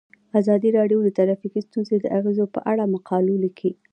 ازادي راډیو د ټرافیکي ستونزې د اغیزو په اړه مقالو لیکلي.